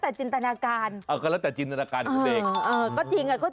อันนั้นจดหมายส่วนตัว